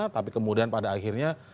tapi kemudian pada akhirnya